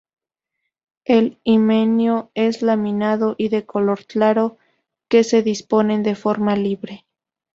El himenio es laminado y de color claro, que se disponen de forma libre.